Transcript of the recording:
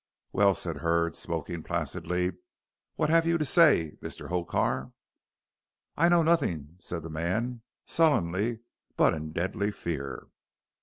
"Well," said Hurd, smoking placidly, "what have you to say, Mr. Hokar?" "I know nozzin'," said the man, sullenly, but in deadly fear.